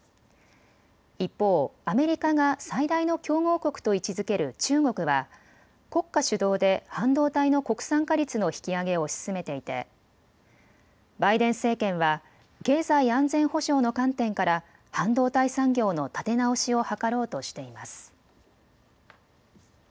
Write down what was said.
一方、アメリカが最大の競合国と位置づける中国は国家主導で半導体の国産化率の引き上げを推し進めていてバイデン政権は経済安全保障の観点から半導体産業の立て直しを図ろうとしています。